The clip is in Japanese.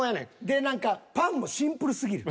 で何かパンもシンプルすぎる。